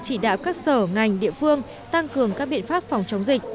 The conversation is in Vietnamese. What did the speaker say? hội viện chỉ đạo các sở ngành địa phương tăng cường các biện pháp phòng chống dịch